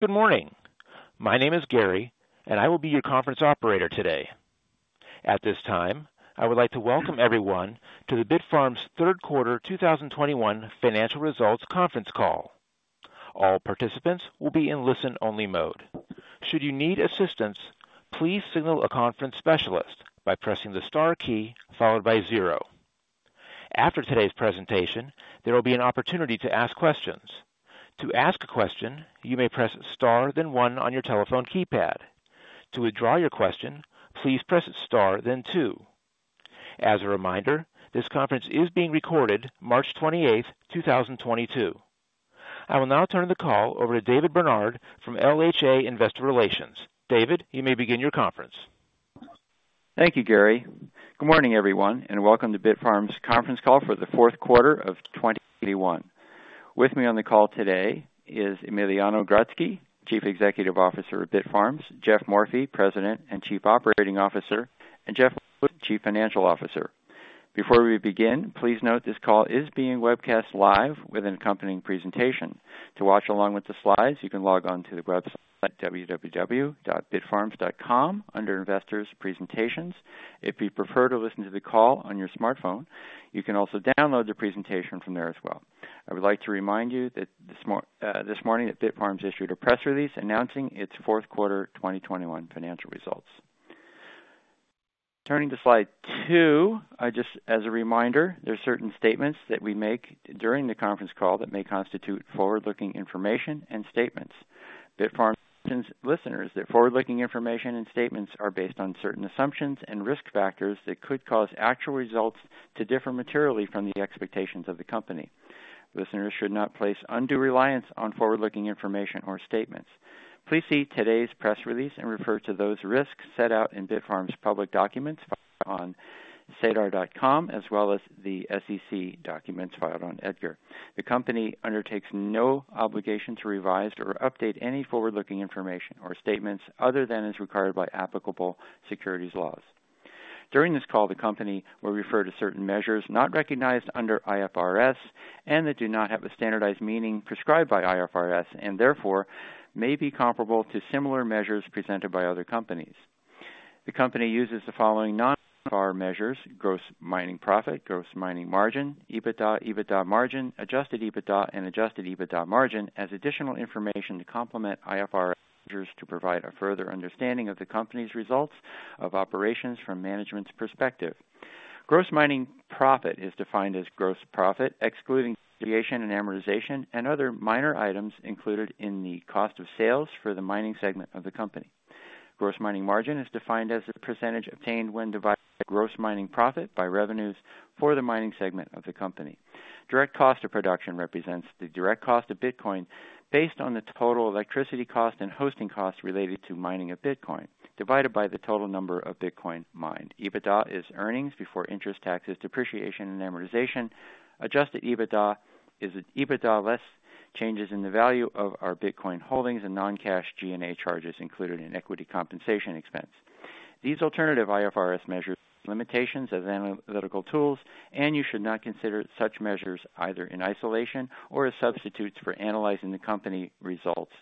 Good morning. My name is Gary, and I will be your conference operator today. At this time, I would like to welcome everyone to the Bitfarms' third quarter 2021 financial results conference call. All participants will be in listen-only mode. Should you need assistance, please signal a conference specialist by pressing the star key followed by zero. After today's presentation, there will be an opportunity to ask questions. To ask a question, you may press star then one on your telephone keypad. To withdraw your question, please press star then two. As a reminder, this conference is being recorded March 28, 2022. I will now turn the call over to David Barnard from LHA Investor Relations. David, you may begin your conference. Thank you, Gary. Good morning, everyone, and welcome to Bitfarms' conference call for the fourth quarter of 2021. With me on the call today is Emiliano Grodzki, Chief Executive Officer of Bitfarms, Geoff Morphy, President and Chief Operating Officer, and Jeff Lucas, Chief Financial Officer. Before we begin, please note this call is being webcast live with an accompanying presentation. To watch along with the slides, you can log on to the website www.bitfarms.com under Investors Presentations. If you prefer to listen to the call on your smartphone, you can also download the presentation from there as well. I would like to remind you that this morning that Bitfarms issued a press release announcing its fourth quarter 2021 financial results. Turning to slide two, just as a reminder, there are certain statements that we make during the conference call that may constitute forward-looking information and statements. Bitfarms cautions listeners that forward-looking information and statements are based on certain assumptions and risk factors that could cause actual results to differ materially from the expectations of the company. Listeners should not place undue reliance on forward-looking information or statements. Please see today's press release and refer to those risks set out in Bitfarms' public documents filed on sedar.com as well as the SEC documents filed on EDGAR. The company undertakes no obligation to revise or update any forward-looking information or statements other than as required by applicable securities laws. During this call, the company will refer to certain measures not recognized under IFRS and that do not have a standardized meaning prescribed by IFRS and therefore may not be comparable to similar measures presented by other companies. The company uses the following non-IFRS measures, gross mining profit, gross mining margin, EBITDA margin, adjusted EBITDA, and adjusted EBITDA margin as additional information to complement IFRS measures to provide a further understanding of the company's results of operations from management's perspective. Gross mining profit is defined as gross profit, excluding depreciation and amortization and other minor items included in the cost of sales for the mining segment of the company. Gross mining margin is defined as the percentage obtained when dividing gross mining profit by revenues for the mining segment of the company. Direct cost of production represents the direct cost of Bitcoin based on the total electricity cost and hosting costs related to mining of Bitcoin, divided by the total number of Bitcoin mined. EBITDA is earnings before interest, taxes, depreciation, and amortization. Adjusted EBITDA is EBITDA less changes in the value of our Bitcoin holdings and non-cash G&A charges included in equity compensation expense. These alternative IFRS measures have limitations as analytical tools, and you should not consider such measures either in isolation or as substitutes for analyzing the company results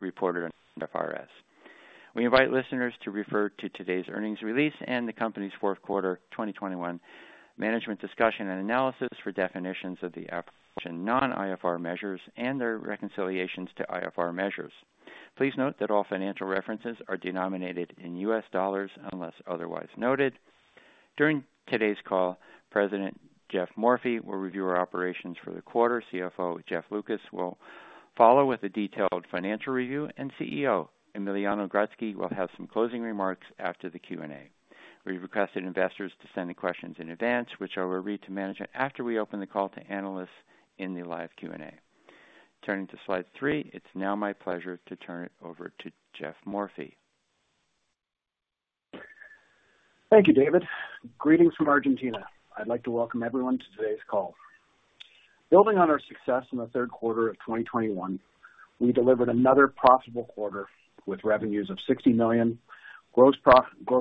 reported under IFRS. We invite listeners to refer to today's earnings release and the company's fourth quarter 2021 management discussion and analysis for definitions of the aforementioned non-IFRS measures and their reconciliations to IFRS measures. Please note that all financial references are denominated in U.S. dollars unless otherwise noted. During today's call, President Geoff Morphy will review our operations for the quarter. CFO Jeff Lucas will follow with a detailed financial review, and CEO Emiliano Grodzki will have some closing remarks after the Q&A. We've requested investors to send any questions in advance, which I will read to management after we open the call to analysts in the live Q&A. Turning to slide three, it's now my pleasure to turn it over to Geoff Morphy. Thank you, David. Greetings from Argentina. I'd like to welcome everyone to today's call. Building on our success in the third quarter of 2021, we delivered another profitable quarter with revenues of $60 million, gross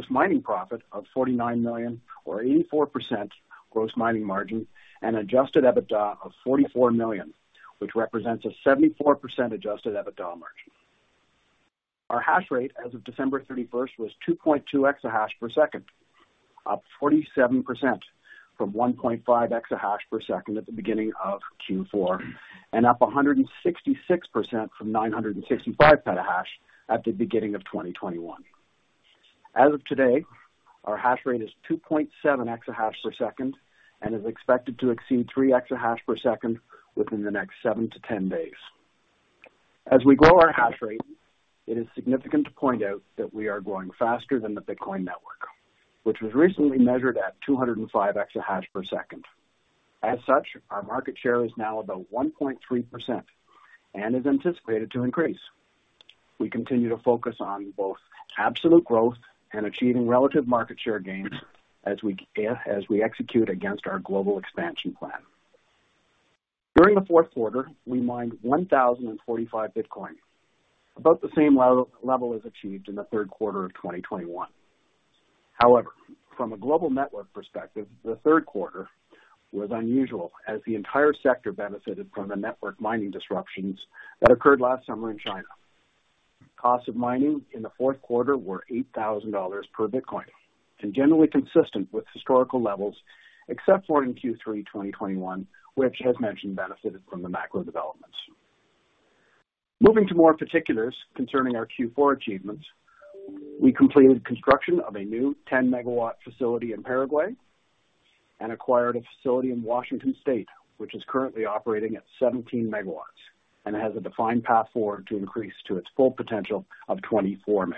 mining profit of $49 million or 84% gross mining margin, and adjusted EBITDA of $44 million, which represents a 74% adjusted EBITDA margin. Our hash rate as of December 31 was 2.2 exahash per second, up 47% from 1.5 exahash per second at the beginning of Q4, and up 166% from 965 petahash at the beginning of 2021. As of today, our hash rate is 2.7 exahash per second and is expected to exceed 3 exahash per second within the next 7 to 10 days. As we grow our hash rate, it is significant to point out that we are growing faster than the Bitcoin network, which was recently measured at 205 exahash per second. As such, our market share is now about 1.3% and is anticipated to increase. We continue to focus on both absolute growth and achieving relative market share gains as we, as we execute against our global expansion plan. During the fourth quarter, we mined 1,045 Bitcoin, about the same level as achieved in the third quarter of 2021. However, from a global network perspective, the third quarter was unusual as the entire sector benefited from the network mining disruptions that occurred last summer in China. Cost of mining in the fourth quarter were $8,000 per Bitcoin and generally consistent with historical levels, except for in Q3 2021, which as mentioned, benefited from the macro developments. Moving to more particulars concerning our Q4 achievements, we completed construction of a new 10-MW facility in Paraguay and acquired a facility in Washington State, which is currently operating at 17 MW and has a defined path forward to increase to its full potential of 24 MW.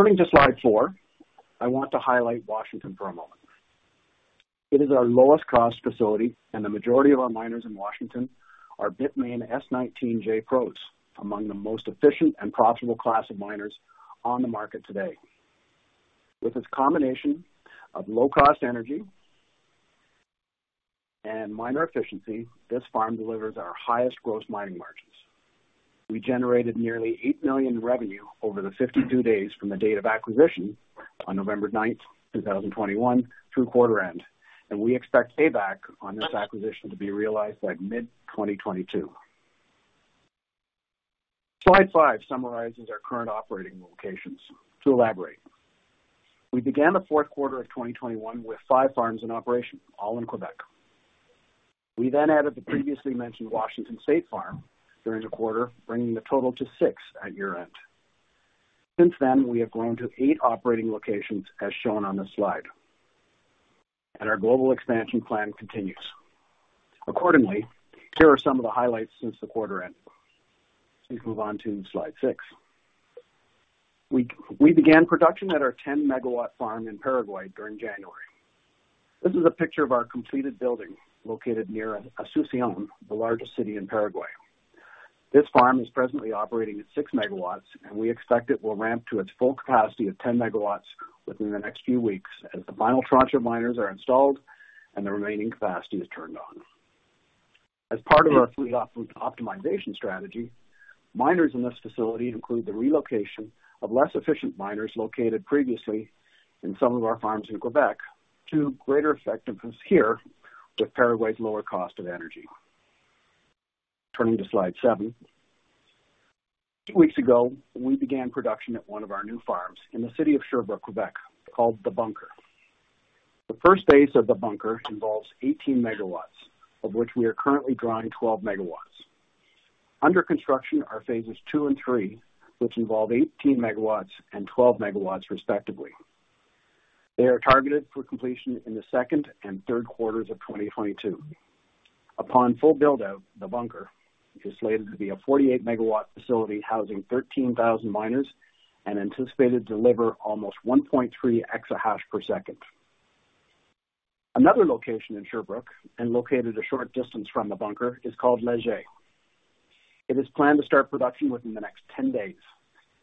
Turning to slide four, I want to highlight Washington for a moment. It is our lowest cost facility and the majority of our miners in Washington are Bitmain S19j Pros, among the most efficient and profitable class of miners on the market today. With its combination of low-cost energy and miner efficiency, this farm delivers our highest gross mining margins. We generated nearly $8 million in revenue over the 52 days from the date of acquisition on November 9, 2021 through quarter end, and we expect payback on this acquisition to be realized by mid-2022. Slide five summarizes our current operating locations. To elaborate, we began the fourth quarter of 2021 with five farms in operation, all in Quebec. We then added the previously mentioned Washington State farm during the quarter, bringing the total to six at year-end. Since then, we have grown to eight operating locations as shown on this slide, and our global expansion plan continues. Accordingly, here are some of the highlights since the quarter end. Please move on to slide six. We began production at our 10-MW farm in Paraguay during January. This is a picture of our completed building located near Asunción, the largest city in Paraguay. This farm is presently operating at 6 MW, and we expect it will ramp to its full capacity of 10 MW within the next few weeks as the final tranche of miners are installed and the remaining capacity is turned on. As part of our fleet optimization strategy, miners in this facility include the relocation of less efficient miners located previously in some of our farms in Québec to greater effectiveness here, with Paraguay's lower cost of energy. Turning to slide seven. Two weeks ago, we began production at one of our new farms in the city of Sherbrooke, Québec, called The Bunker. The first phase of The Bunker involves 18 MW, of which we are currently drawing 12 MW. Under construction are phases two and three, which involve 18 MW and 12 MW respectively. They are targeted for completion in the second and third quarters of 2022. Upon full build-out, The Bunker is slated to be a 48 MW facility housing 13,000 miners and anticipated to deliver almost 1.3 EH/s. Another location in Sherbrooke and located a short distance from The Bunker is called Leger. It is planned to start production within the next 10 days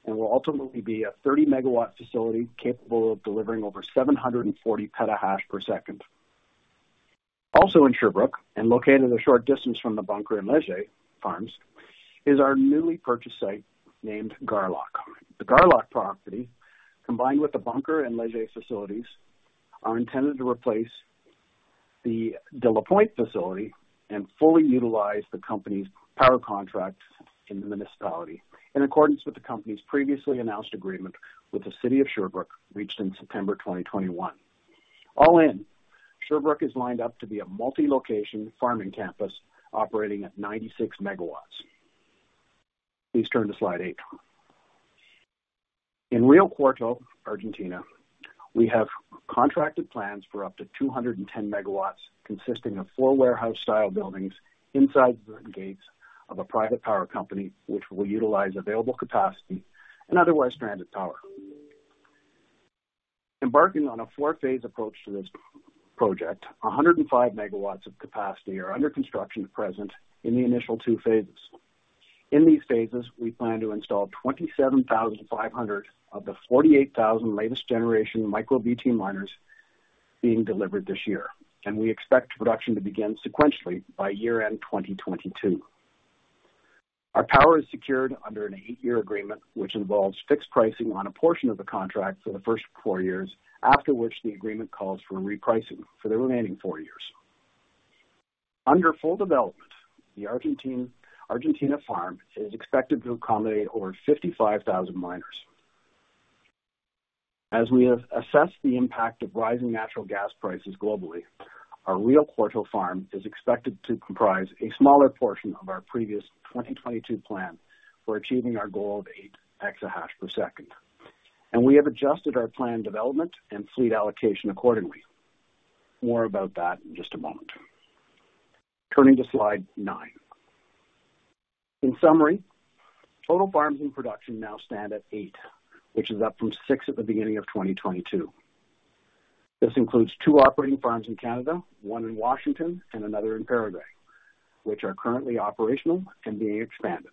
and will ultimately be a 30-MW facility capable of delivering over 740 PH/s. Also in Sherbrooke, and located a short distance from The Bunker and Leger farms, is our newly purchased site named Garlock. The Garlock property, combined with The Bunker and Leger facilities, are intended to replace the de la Pointe facility and fully utilize the company's power contracts in the municipality in accordance with the company's previously announced agreement with the City of Sherbrooke, reached in September 2021. All in, Sherbrooke is lined up to be a multi-location farming campus operating at 96 MW. Please turn to slide eight. In Rio Cuarto, Argentina, we have contracted plans for up to 210 MW, consisting of four warehouse-style buildings inside the gates of a private power company, which will utilize available capacity and otherwise stranded power. Embarking on a four-phase approach to this project, 105 MW of capacity are under construction at present in the initial two phases. In these phases, we plan to install 27,500 of the 48,000 latest generation MicroBT miners being delivered this year, and we expect production to begin sequentially by year-end 2022. Our power is secured under an eight-year agreement, which involves fixed pricing on a portion of the contract for the first four years, after which the agreement calls for repricing for the remaining four years. Under full development, the Argentina farm is expected to accommodate over 55,000 miners. As we have assessed the impact of rising natural gas prices globally, our Rio Cuarto farm is expected to comprise a smaller portion of our previous 2022 plan for achieving our goal of 8 exahash per second, and we have adjusted our planned development and fleet allocation accordingly. More about that in just a moment. Turning to slide nine. In summary, total farms in production now stand at eight, which is up from six at the beginning of 2022. This includes two operating farms in Canada, one in Washington and another in Paraguay, which are currently operational and being expanded.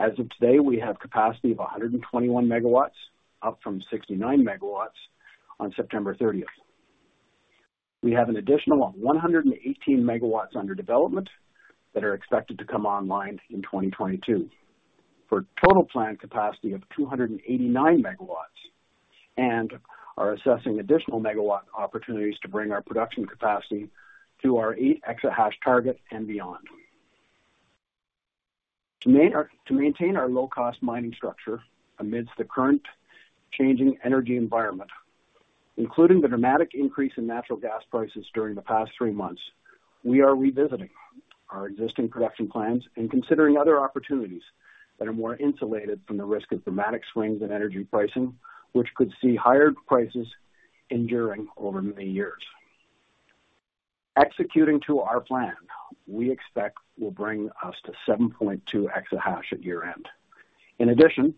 As of today, we have capacity of 121 MW, up from 69 MW on September 30. We have an additional 118 MW under development that are expected to come online in 2022 for a total plant capacity of 289 MW and are assessing additional megawatt opportunities to bring our production capacity to our 8 exahash target and beyond. To maintain our low cost mining structure amidst the current changing energy environment, including the dramatic increase in natural gas prices during the past three months, we are revisiting our existing production plans and considering other opportunities that are more insulated from the risk of dramatic swings in energy pricing, which could see higher prices enduring over many years. Executing on our plan we expect will bring us to 7.2 exahash at year-end. In addition,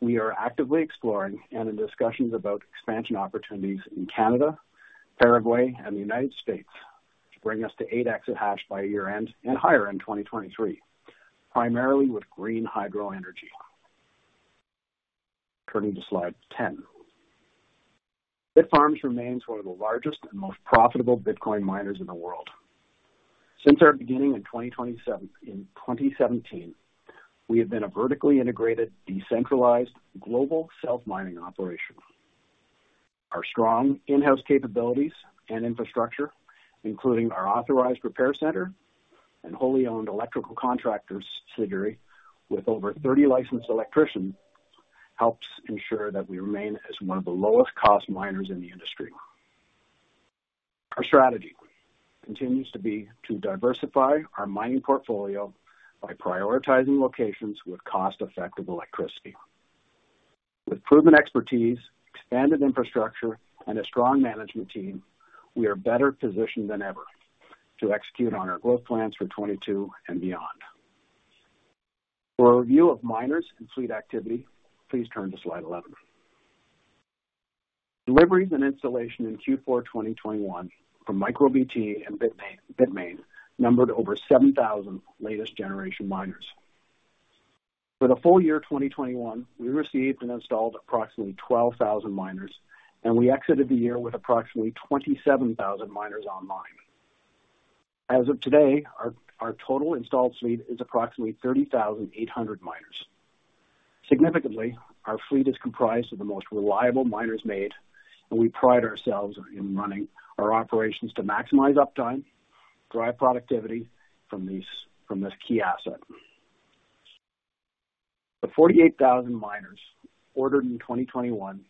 we are actively exploring and in discussions about expansion opportunities in Canada, Paraguay and the United States to bring us to 8 exahash by year-end and higher in 2023, primarily with green hydro energy. Turning to slide 10. Bitfarms remains one of the largest and most profitable Bitcoin miners in the world. Since our beginning in 2017, we have been a vertically integrated, decentralized, global self-mining operation. Our strong in-house capabilities and infrastructure, including our authorized repair center and wholly owned electrical contractor, Volta Electrique, with over 30 licensed electricians, helps ensure that we remain as one of the lowest cost miners in the industry. Our strategy continues to be to diversify our mining portfolio by prioritizing locations with cost-effective electricity. With proven expertise, expanded infrastructure and a strong management team, we are better positioned than ever to execute on our growth plans for 2022 and beyond. For a review of miners and fleet activity, please turn to slide 11. Deliveries and installation in Q4 2021 from MicroBT and Bitmain numbered over 7,000 latest generation miners. For the full year 2021, we received and installed approximately 12,000 miners, and we exited the year with approximately 27,000 miners online. As of today, our total installed fleet is approximately 30,800 miners. Significantly, our fleet is comprised of the most reliable miners made, and we pride ourselves in running our operations to maximize uptime, drive productivity from this key asset. The 48,000 miners ordered in 2021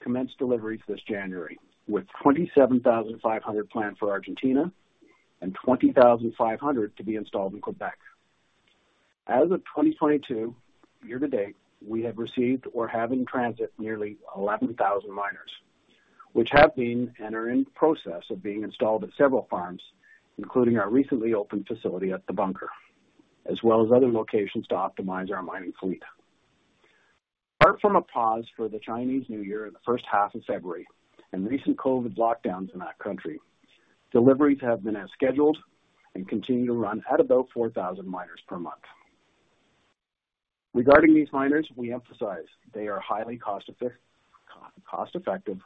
commenced deliveries this January, with 27,500 planned for Argentina and 20,500 to be installed in Quebec. As of 2022 year to date, we have received or have in transit nearly 11,000 miners, which have been and are in process of being installed at several farms, including our recently opened facility at The Bunker, as well as other locations to optimize our mining fleet. Apart from a pause for the Chinese New Year in the first half of February and recent COVID lockdowns in that country, deliveries have been as scheduled and continue to run at about 4,000 miners per month. Regarding these miners, we emphasize they are highly cost-effective,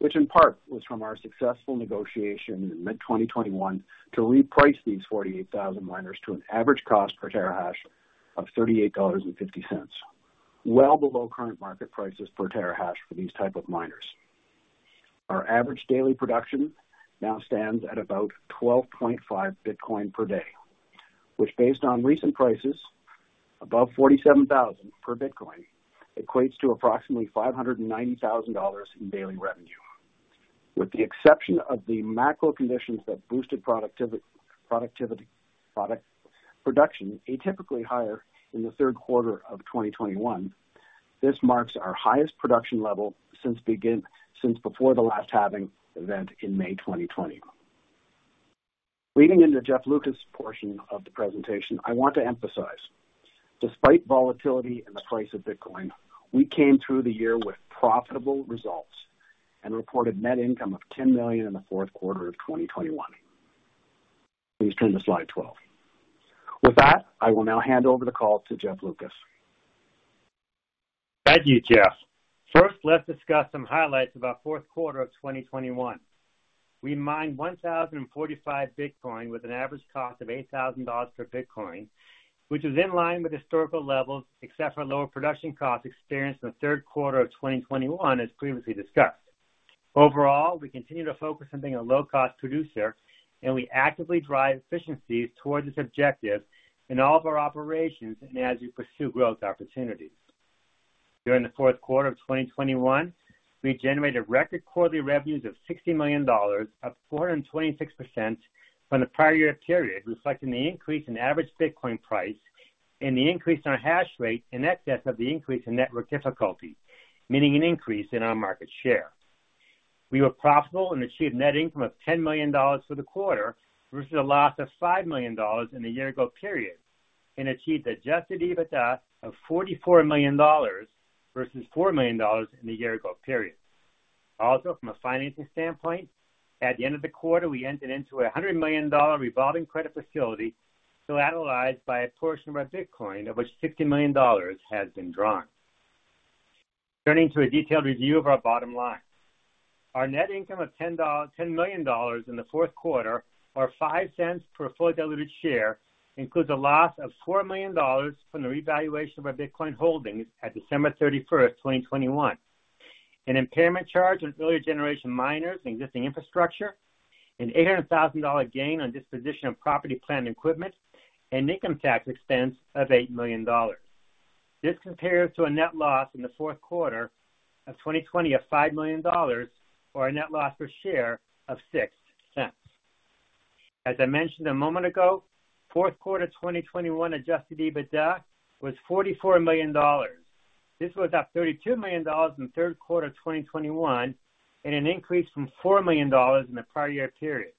which in part was from our successful negotiation in mid-2021 to reprice these 48,000 miners to an average cost per terahash of $38.50, well below current market prices per terahash for these type of miners. Our average daily production now stands at about 12.5 Bitcoin per day, which, based on recent prices above $47,000 per Bitcoin, equates to approximately $590,000 in daily revenue. With the exception of the macro conditions that boosted production atypically higher in the third quarter of 2021, this marks our highest production level since before the last halving event in May 2020. Leading into Jeff Lucas' portion of the presentation, I want to emphasize, despite volatility in the price of Bitcoin, we came through the year with profitable results and reported net income of $10 million in the fourth quarter of 2021. Please turn to slide 12. With that, I will now hand over the call to Jeff Lucas. Thank you, Geoff. First, let's discuss some highlights of our fourth quarter of 2021. We mined 1,045 Bitcoin with an average cost of $8,000 per Bitcoin, which is in line with historical levels, except for lower production costs experienced in the third quarter of 2021 as previously discussed. Overall, we continue to focus on being a low cost producer, and we actively drive efficiencies towards this objective in all of our operations and as we pursue growth opportunities. During the fourth quarter of 2021, we generated record quarterly revenues of $60 million, up 426% from the prior year period, reflecting the increase in average Bitcoin price and the increase in our hash rate in excess of the increase in network difficulty, meaning an increase in our market share. We were profitable and achieved net income of $10 million for the quarter versus a loss of $5 million in the year ago period, and achieved adjusted EBITDA of $44 million versus $4 million in the year ago period. Also, from a financing standpoint, at the end of the quarter, we entered into a $100 million revolving credit facility collateralized by a portion of our Bitcoin, of which $60 million has been drawn. Turning to a detailed review of our bottom line. Our net income of $10 million in the fourth quarter, or $0.05 per fully diluted share, includes a loss of $4 million from the revaluation of our Bitcoin holdings at December 31, 2021. An impairment charge on earlier generation miners and existing infrastructure, an $800 thousand gain on disposition of property plant equipment, and income tax expense of $8 million. This compares to a net loss in the fourth quarter of 2020 of $5 million or a net loss per share of $0.06. As I mentioned a moment ago, fourth quarter 2021 adjusted EBITDA was $44 million. This was up $32 million in the third quarter of 2021 and an increase from $4 million in the prior year period.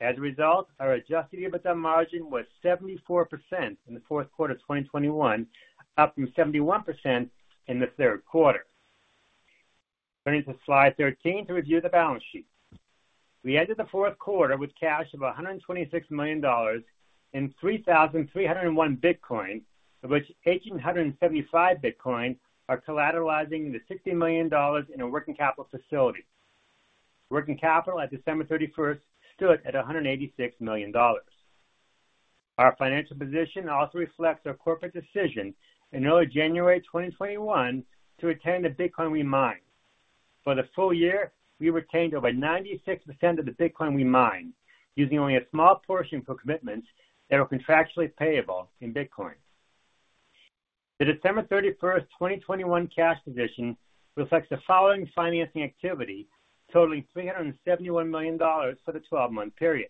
As a result, our adjusted EBITDA margin was 74% in the fourth quarter of 2021, up from 71% in the third quarter. Turning to slide 13 to review the balance sheet. We ended the fourth quarter with cash of $126 million and 3,301 Bitcoin, of which 1,875 Bitcoin are collateralizing the $60 million in a working capital facility. Working capital at December 31 stood at $186 million. Our financial position also reflects our corporate decision in early January 2021 to retain the Bitcoin we mined. For the full year, we retained over 96% of the Bitcoin we mined, using only a small portion for commitments that were contractually payable in Bitcoin. The December 31, 2021 cash position reflects the following financing activity, totaling $371 million for the twelve-month period.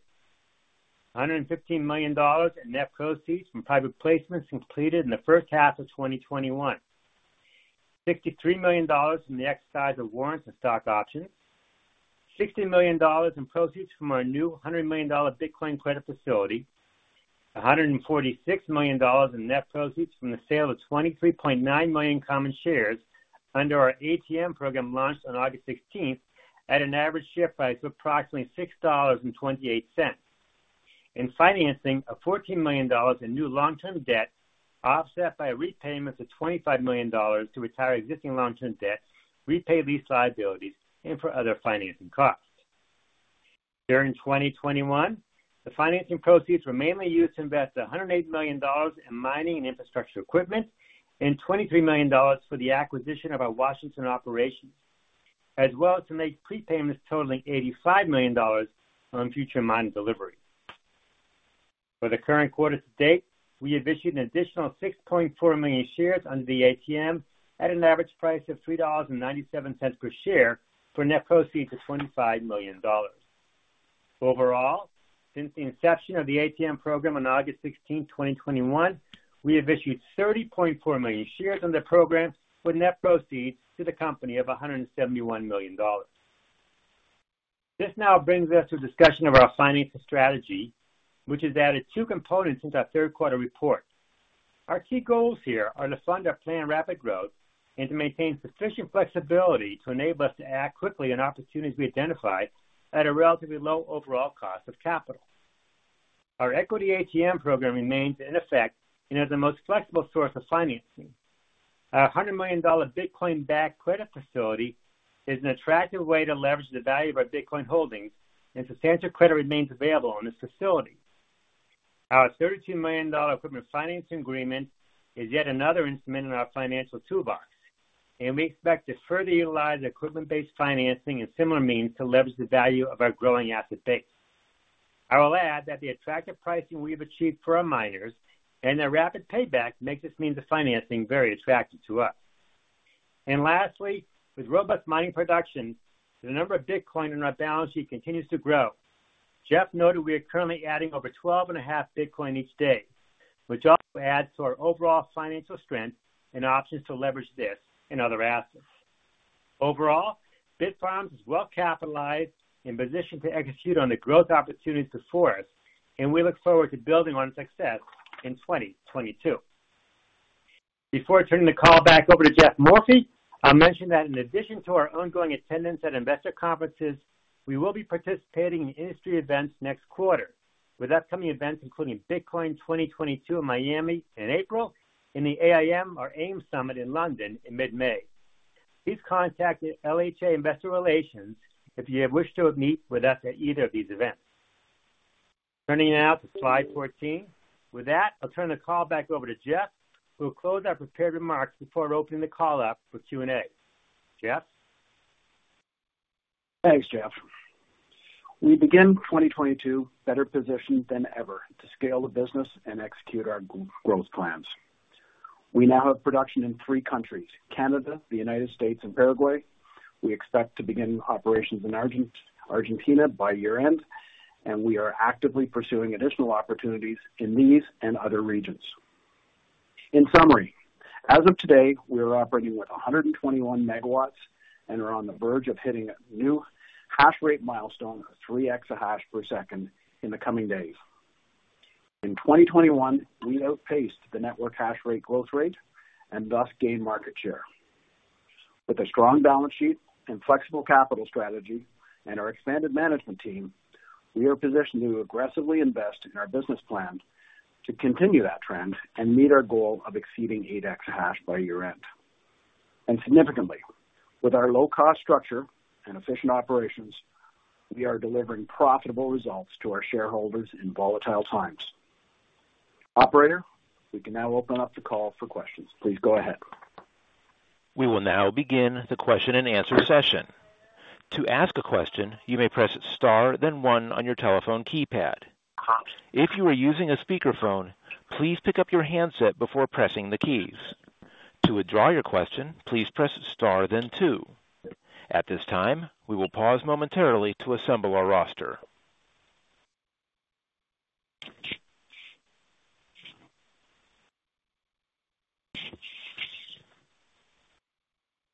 $115 million in net proceeds from private placements completed in the first half of 2021. $63 million from the exercise of warrants and stock options. $60 million in proceeds from our new $100 million Bitcoin credit facility. $146 million in net proceeds from the sale of 23.9 million common shares under our ATM program launched on August sixteenth at an average share price of approximately $6.28. In financing of $14 million in new long-term debt, offset by repayments of $25 million to retire existing long-term debt, repay lease liabilities, and for other financing costs. During 2021, the financing proceeds were mainly used to invest $180 million in mining and infrastructure equipment and $23 million for the acquisition of our Washington operations, as well as to make prepayments totaling $85 million on future mined delivery. For the current quarter to date, we have issued an additional 6.4 million shares under the ATM at an average price of $3.97 per share for net proceeds of $25 million. Overall, since the inception of the ATM program on August 16, 2021, we have issued 30.4 million shares on the program with net proceeds to the company of $171 million. This now brings us to a discussion of our financial strategy, which has added two components since our third quarter report. Our key goals here are to fund our planned rapid growth and to maintain sufficient flexibility to enable us to act quickly on opportunities we identify at a relatively low overall cost of capital. Our equity ATM program remains in effect and is the most flexible source of financing. Our $100 million Bitcoin-backed credit facility is an attractive way to leverage the value of our Bitcoin holdings, and substantial credit remains available on this facility. Our $32 million equipment financing agreement is yet another instrument in our financial toolbox, and we expect to further utilize equipment-based financing and similar means to leverage the value of our growing asset base. I will add that the attractive pricing we've achieved for our miners and their rapid payback makes this means of financing very attractive to us. Lastly, with robust mining production, the number of Bitcoin on our balance sheet continues to grow. Jeff noted we are currently adding over 12.5 Bitcoin each day, which also adds to our overall financial strength and options to leverage this and other assets. Overall, Bitfarms is well capitalized and positioned to execute on the growth opportunities before us, and we look forward to building on success in 2022. Before turning the call back over to Geoff Morphy, I'll mention that in addition to our ongoing attendance at investor conferences, we will be participating in industry events next quarter, with upcoming events including Bitcoin 2022 in Miami in April and the AIM Summit in London in mid-May. Please contact LHA Investor Relations if you wish to meet with us at either of these events. Turning now to slide 14. With that, I'll turn the call back over to Geoff, who will close our prepared remarks before opening the call up for Q&A. Geoff? Thanks, Jeff. We begin 2022 better positioned than ever to scale the business and execute our growth plans. We now have production in three countries, Canada, the United States, and Paraguay. We expect to begin operations in Argentina by year-end, and we are actively pursuing additional opportunities in these and other regions. In summary, as of today, we are operating with 121 MW and are on the verge of hitting a new hash rate milestone of 3 EH/s in the coming days. In 2021, we outpaced the network hash rate growth rate and thus gained market share. With a strong balance sheet and flexible capital strategy and our expanded management team, we are positioned to aggressively invest in our business plan to continue that trend and meet our goal of exceeding 8 EH/s by year-end. Significantly, with our low cost structure and efficient operations, we are delivering profitable results to our shareholders in volatile times. Operator, we can now open up the call for questions. Please go ahead. We will now begin the question-and-answer session. To ask a question, you may press star, then one on your telephone keypad. If you are using a speakerphone, please pick up your handset before pressing the keys. To withdraw your question, please press star then two. At this time, we will pause momentarily to assemble our roster.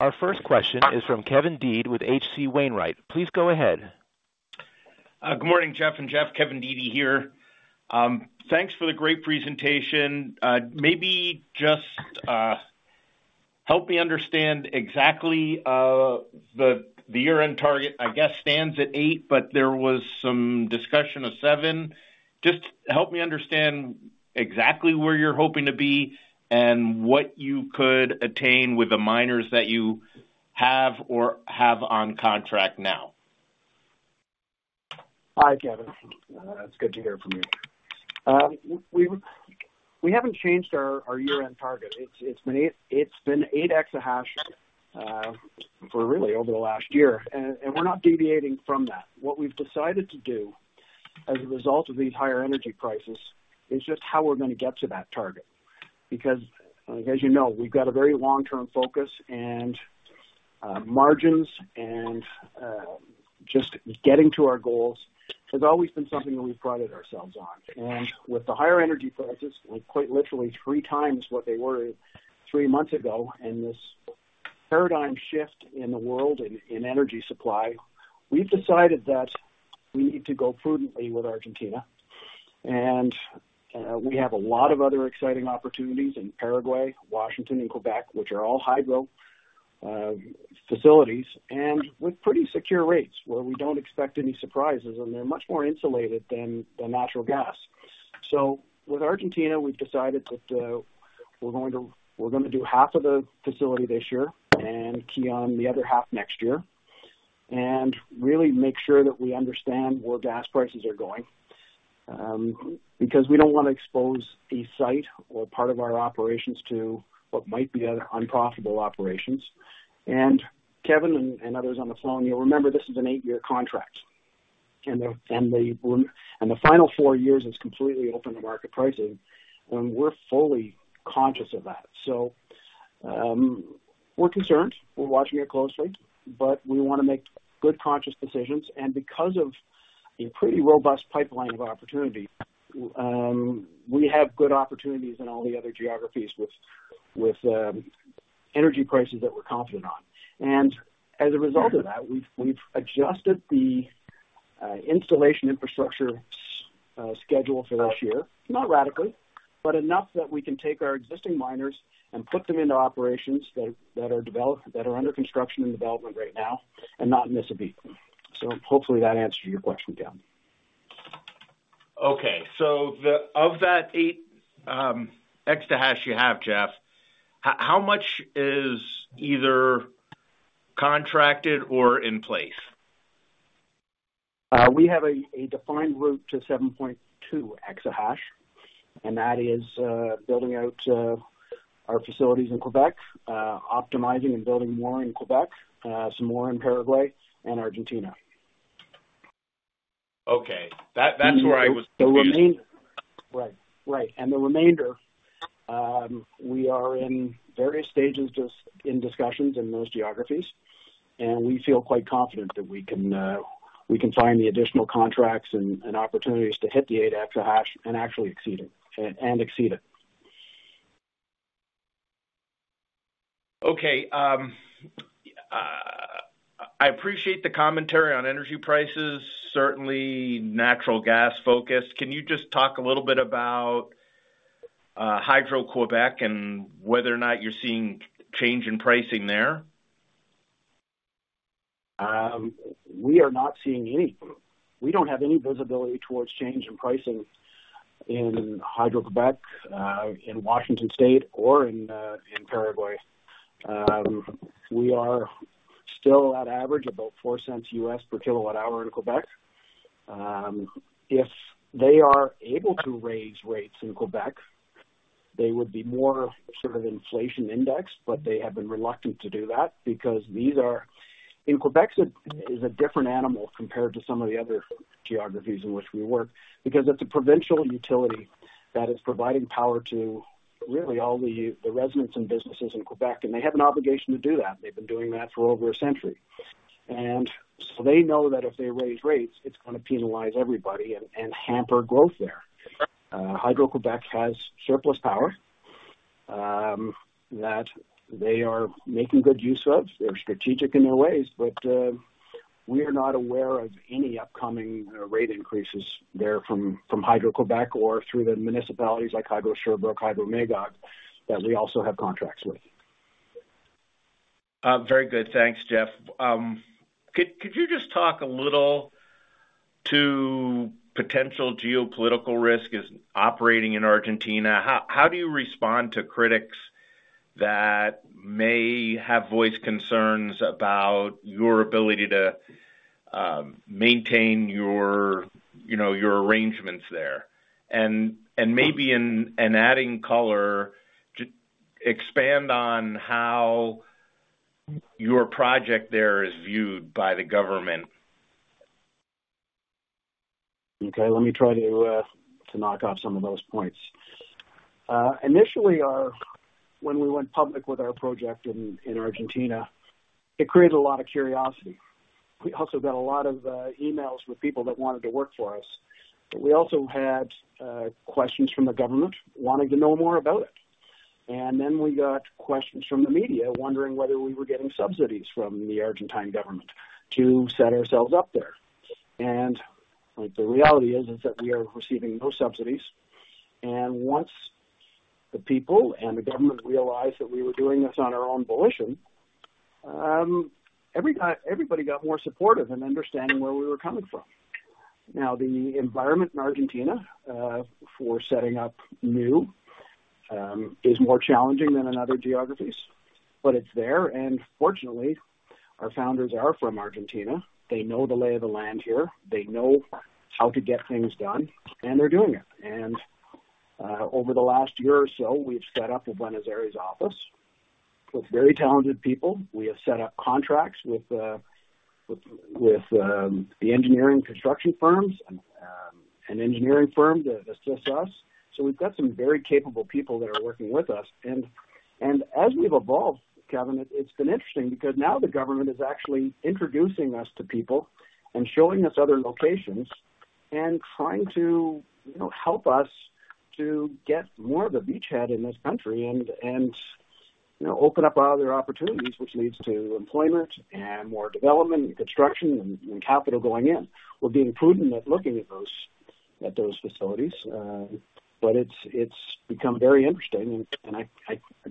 Our first question is from Kevin Dede with H.C. Wainwright. Please go ahead. Good morning, Geoff and Jeff. Kevin Dede here. Thanks for the great presentation. Maybe just help me understand exactly the year-end target, I guess, stands at eight, but there was some discussion of seven. Just help me understand exactly where you're hoping to be and what you could attain with the miners that you have or have on contract now. Hi, Kevin. It's good to hear from you. We haven't changed our year-end target. It's been eight exahash for really over the last year, and we're not deviating from that. What we've decided to do as a result of these higher energy prices is just how we're gonna get to that target. Because as you know, we've got a very long-term focus and margins and just getting to our goals has always been something that we've prided ourselves on. With the higher energy prices, like quite literally three times what they were three months ago, and this paradigm shift in the world in energy supply, we've decided that we need to go prudently with Argentina. We have a lot of other exciting opportunities in Paraguay, Washington, and Quebec, which are all hydro facilities and with pretty secure rates where we don't expect any surprises, and they're much more insulated than the natural gas. With Argentina, we've decided that, we're gonna do half of the facility this year and key on the other half next year and really make sure that we understand where gas prices are going, because we don't wanna expose a site or part of our operations to what might be other unprofitable operations. Kevin and others on the phone, you'll remember this is an eight-year contract. The final four years is completely open to market pricing, and we're fully conscious of that. We're concerned, we're watching it closely, but we wanna make good, conscious decisions. Because of a pretty robust pipeline of opportunity, we have good opportunities in all the other geographies with energy prices that we're confident on. As a result of that, we've adjusted the installation infrastructure schedule for this year, not radically, but enough that we can take our existing miners and put them into operations that are developed, that are under construction and development right now and not miss a beat. Hopefully that answers your question, Kevin. Of that eight exahash you have, Geoff, how much is either contracted or in place? We have a defined route to 7.2 exahash, and that is building out our facilities in Québec, optimizing and building more in Québec, some more in Paraguay and Argentina. Okay. That's where I was confused. Right. The remainder, we are in various stages just in discussions in those geographies, and we feel quite confident that we can sign the additional contracts and opportunities to hit the 8 exahash and actually exceed it. Okay, I appreciate the commentary on energy prices, certainly natural gas-focused. Can you just talk a little bit about, Hydro-Québec and whether or not you're seeing change in pricing there? We are not seeing any. We don't have any visibility towards change in pricing in Hydro-Québec, in Washington State or in Paraguay. We are still at average about $0.04 per kWh in Quebec. If they are able to raise rates in Quebec, they would be more sort of inflation indexed, but they have been reluctant to do that because these are, and Quebec is a different animal compared to some of the other geographies in which we work, because it's a provincial utility that is providing power to really all the residents and businesses in Quebec, and they have an obligation to do that. They've been doing that for over a century. They know that if they raise rates, it's gonna penalize everybody and hamper growth there. Hydro-Québec has surplus power that they are making good use of. They're strategic in their ways, but we are not aware of any upcoming rate increases there from Hydro-Québec or through the municipalities like Hydro-Sherbrooke, Hydro-Magog, that we also have contracts with. Very good. Thanks, Geoff. Could you just talk a little about potential geopolitical risk as operating in Argentina? How do you respond to critics that may have voiced concerns about your ability to maintain your arrangements there? And maybe adding color to expand on how your project there is viewed by the government. Okay. Let me try to knock off some of those points. Initially, when we went public with our project in Argentina, it created a lot of curiosity. We also got a lot of emails from people that wanted to work for us. We also had questions from the government wanting to know more about it. Then we got questions from the media wondering whether we were getting subsidies from the Argentine government to set ourselves up there. Like, the reality is that we are receiving no subsidies. Once the people and the government realized that we were doing this on our own volition, everybody got more supportive and understanding where we were coming from. Now, the environment in Argentina for setting up new is more challenging than in other geographies, but it's there. Fortunately, our founders are from Argentina. They know the lay of the land here. They know how to get things done, and they're doing it. Over the last year or so, we've set up a Buenos Aires office with very talented people. We have set up contracts with the engineering construction firms and an engineering firm that assists us. So we've got some very capable people that are working with us. As we've evolved, Kevin, it's been interesting because now the government is actually introducing us to people and showing us other locations and trying to, you know, help us to get more of a beachhead in this country and, you know, open up other opportunities which leads to employment and more development and construction and capital going in. We're being prudent at looking at those facilities. It's become very interesting. I'd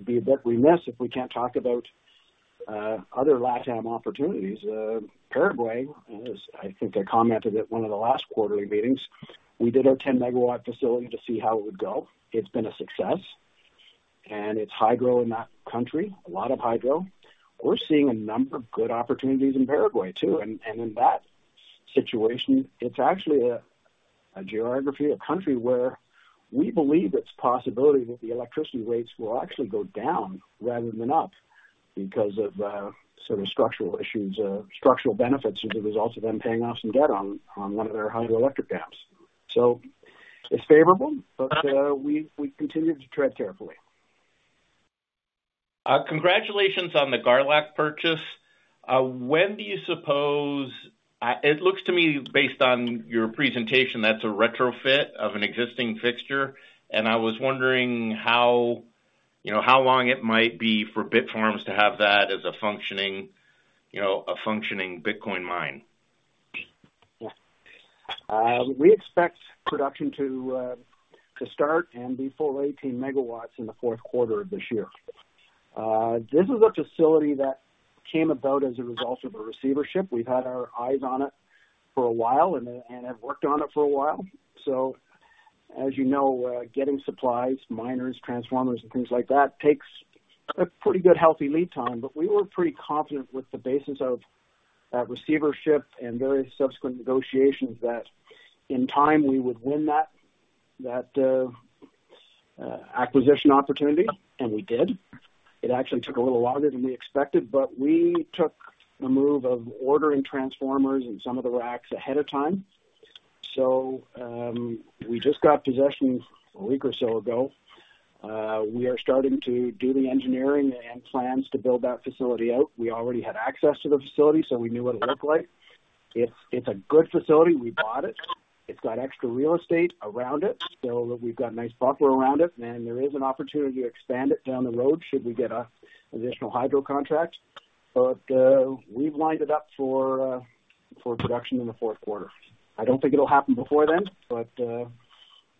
be a bit remiss if we can't talk about other LatAm opportunities. Paraguay is. I think I commented at one of the last quarterly meetings. We did our 10-MW facility to see how it would go. It's been a success, and it's hydro in that country, a lot of hydro. We're seeing a number of good opportunities in Paraguay too. In that situation, it's actually a geography, a country where we believe it's a possibility that the electricity rates will actually go down rather than up because of some structural issues, structural benefits as a result of them paying off some debt on one of their hydroelectric dams. It's favorable, but we've continued to tread carefully. Congratulations on the Garlock purchase. It looks to me based on your presentation, that's a retrofit of an existing fixture, and I was wondering how, you know, how long it might be for Bitfarms to have that as a functioning, you know, a functioning Bitcoin mine. Yeah. We expect production to start and be full 18 MW in the fourth quarter of this year. This is a facility that came about as a result of a receivership. We've had our eyes on it for a while and have worked on it for a while. As you know, getting supplies, miners, transformers and things like that takes a pretty good healthy lead time. But we were pretty confident with the basis of that receivership and various subsequent negotiations that in time we would win that acquisition opportunity, and we did. It actually took a little longer than we expected, but we took the move of ordering transformers and some of the racks ahead of time. We just got possession a week or so ago. We are starting to do the engineering and plans to build that facility out. We already had access to the facility, so we knew what it looked like. It's a good facility. We bought it. It's got extra real estate around it, so we've got a nice buffer around it. There is an opportunity to expand it down the road should we get an additional hydro contract. We've lined it up for production in the fourth quarter. I don't think it'll happen before then, but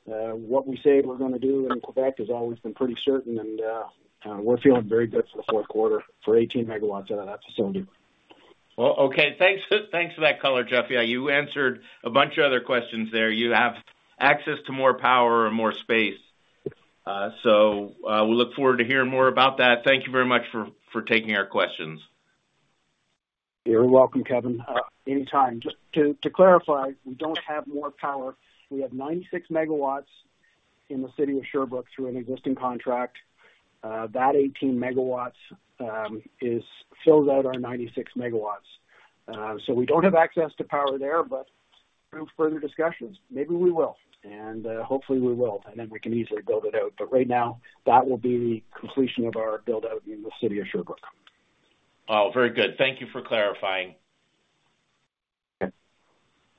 what we say we're gonna do in Quebec has always been pretty certain, and we're feeling very good for the fourth quarter for 18 MW out of that facility. Well, okay. Thanks for that color, Geoff. Yeah, you answered a bunch of other questions there. You have access to more power and more space. So, we look forward to hearing more about that. Thank you very much for taking our questions. You're welcome, Kevin. Anytime. Just to clarify, we don't have more power. We have 96 MW in the city of Sherbrooke through an existing contract. That 18 MW fills out our 96 MW. We don't have access to power there, but through further discussions, maybe we will, and hopefully we will, and then we can easily build it out. Right now, that will be the completion of our build-out in the city of Sherbrooke. Oh, very good. Thank you for clarifying.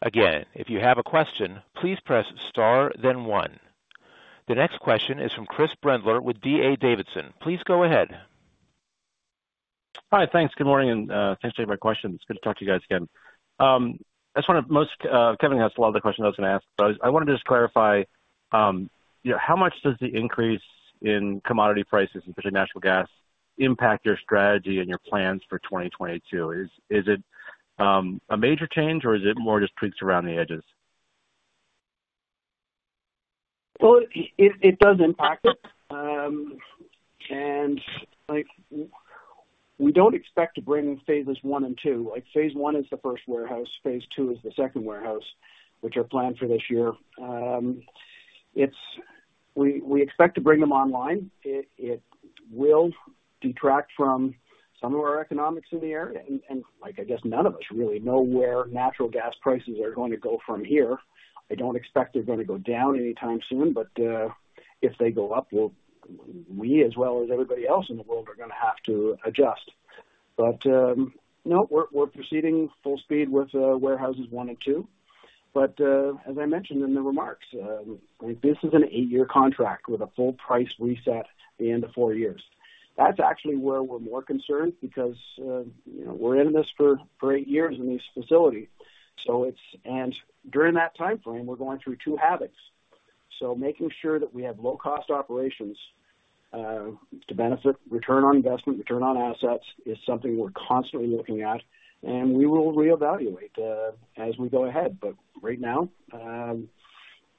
Again, if you have a question, please press star then one. The next question is from Chris Brendler with D.A. Davidson. Please go ahead. Hi. Thanks. Good morning, and thanks for taking my question. It's good to talk to you guys again. Kevin asked a lot of the questions I was gonna ask, but I wanted to just clarify how much does the increase in commodity prices, especially natural gas, impact your strategy and your plans for 2022? Is it a major change or is it more just tweaks around the edges? Well, it does impact it. Like, we don't expect to bring phases 1 and 2. Like, phase 1 is the first warehouse, phase 2 is the second warehouse, which are planned for this year. We expect to bring them online. It will detract from some of our economics in the area. Like, I guess none of us really know where natural gas prices are going to go from here. I don't expect they're gonna go down anytime soon, but if they go up, we as well as everybody else in the world are gonna have to adjust. No, we're proceeding full speed with warehouses one and two. As I mentioned in the remarks, this is an eight-year contract with a full price reset at the end of four years. That's actually where we're more concerned because, you know, we're in this for eight years in this facility. During that timeframe, we're going through two halvings. Making sure that we have low cost operations to benefit return on investment, return on assets is something we're constantly looking at, and we will reevaluate as we go ahead. But right now,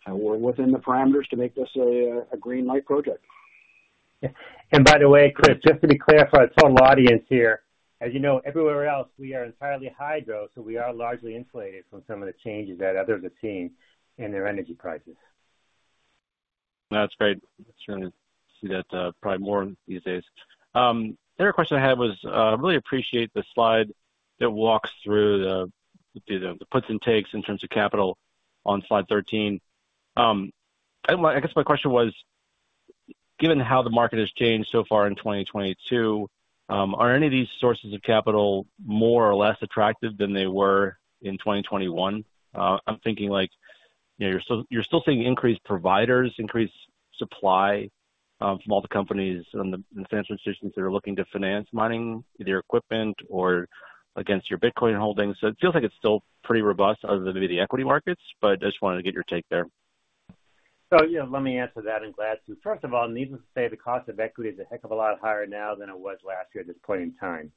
we're within the parameters to make this a green light project. By the way, Chris, just to be clear for our total audience here, as you know, everywhere else, we are entirely hydro, so we are largely insulated from some of the changes that others are seeing in their energy prices. That's great. Sure. See that, probably more these days. The other question I had was, really appreciate the slide that walks through the puts and takes in terms of capital on slide 13. I guess my question was, given how the market has changed so far in 2022, are any of these sources of capital more or less attractive than they were in 2021? I'm thinking like, you know, you're still seeing increased providers, increased supply, from all the companies and the financial institutions that are looking to finance mining, either equipment or against your Bitcoin holdings. It feels like it's still pretty robust other than maybe the equity markets, but I just wanted to get your take there. You know, let me answer that, and glad to. First of all, needless to say, the cost of equity is a heck of a lot higher now than it was last year at this point in time.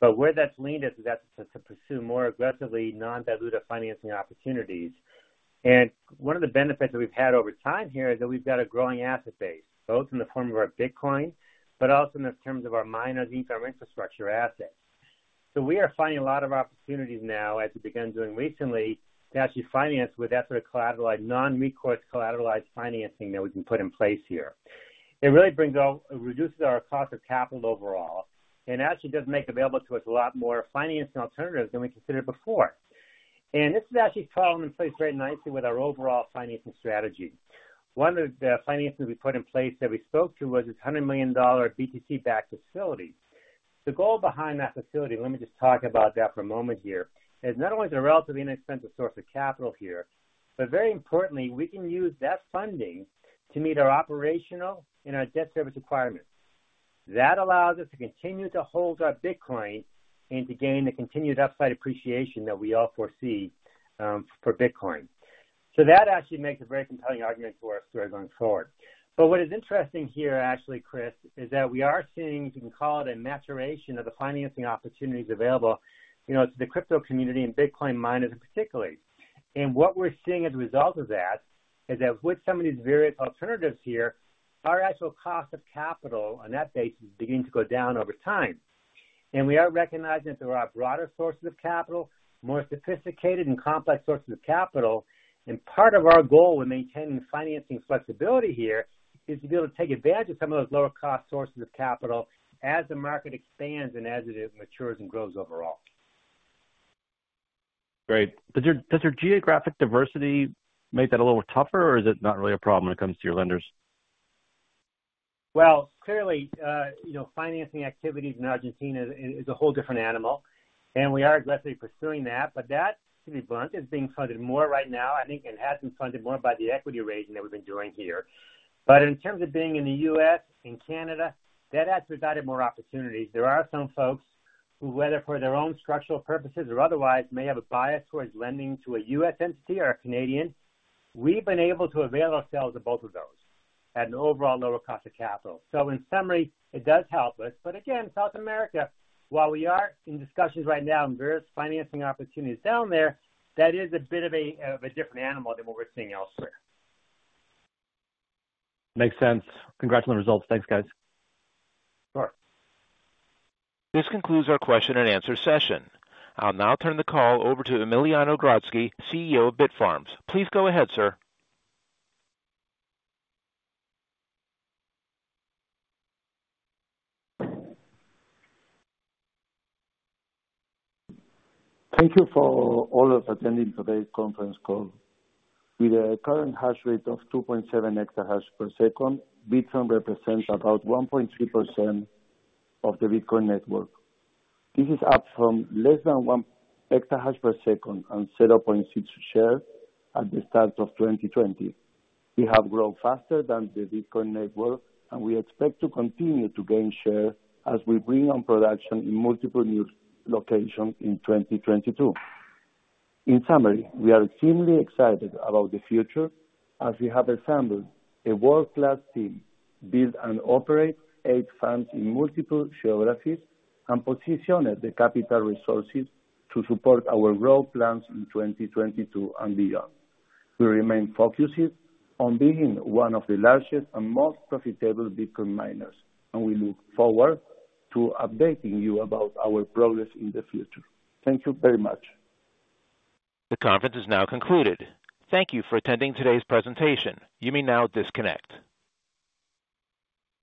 Where that's led us is to pursue more aggressively non-dilutive financing opportunities. One of the benefits that we've had over time here is that we've got a growing asset base, both in the form of our Bitcoin, but also in terms of our miners and our infrastructure assets. We are finding a lot of opportunities now, as we began doing recently, to actually finance with that sort of collateralized, non-recourse collateralized financing that we can put in place here. It really reduces our cost of capital overall, and actually does make available to us a lot more financing alternatives than we considered before. This is actually falling in place very nicely with our overall financing strategy. One of the financings we put in place that we spoke to was this $100 million BTC-backed facility. The goal behind that facility, let me just talk about that for a moment here, is not only is it a relatively inexpensive source of capital here, but very importantly, we can use that funding to meet our operational and our debt service requirements. That allows us to continue to hold our Bitcoin and to gain the continued upside appreciation that we all foresee for Bitcoin. That actually makes a very compelling argument for us as we're going forward. What is interesting here, actually, Chris, is that we are seeing, you can call it a maturation of the financing opportunities available, you know, to the crypto community and Bitcoin miners particularly. What we're seeing as a result of that is that with some of these various alternatives here, our actual cost of capital on that base is beginning to go down over time. We are recognizing that there are broader sources of capital, more sophisticated and complex sources of capital. Part of our goal in maintaining financing flexibility here is to be able to take advantage of some of those lower cost sources of capital as the market expands and as it matures and grows overall. Great. Does your geographic diversity make that a little tougher, or is it not really a problem when it comes to your lenders? Well, clearly, you know, financing activities in Argentina is a whole different animal, and we are aggressively pursuing that. That, to be blunt, is being funded more right now, I think, and has been funded more by the equity raising that we've been doing here. In terms of being in the U.S. and Canada, that has provided more opportunities. There are some folks who, whether for their own structural purposes or otherwise, may have a bias towards lending to a U.S. entity or a Canadian. We've been able to avail ourselves of both of those at an overall lower cost of capital. In summary, it does help us. Again, South America, while we are in discussions right now and various financing opportunities down there, that is a bit of a different animal than what we're seeing elsewhere. Makes sense. Congrats on the results. Thanks, guys. Sure. This concludes our question and answer session. I'll now turn the call over to Emiliano Grodzki, CEO of Bitfarms. Please go ahead, sir. Thank you for all of attending today's conference call. With a current hash rate of 2.7 exahash per second, Bitfarms represents about 1.3% of the Bitcoin network. This is up from less than 1 exahash per second and 0.6% share at the start of 2020. We have grown faster than the Bitcoin network, and we expect to continue to gain share as we bring on production in multiple new locations in 2022. In summary, we are extremely excited about the future as we have assembled a world-class team, build and operate eight farms in multiple geographies, and positioned the capital resources to support our growth plans in 2022 and beyond. We remain focused on being one of the largest and most profitable Bitcoin miners, and we look forward to updating you about our progress in the future. Thank you very much. The conference is now concluded. Thank you for attending today's presentation. You may now disconnect.